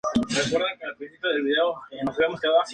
Además alcanzó el puesto cincuenta en el "Mexican Album Charts".